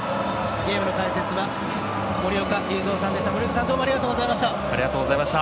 ゲームの解説は森岡隆三さんでした。